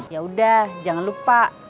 yaudah jangan lupa